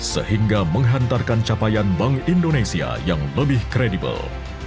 sehingga menghantarkan capaian bank indonesia yang lebih kredibel